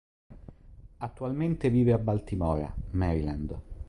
Attualmente vive a Baltimora, Maryland.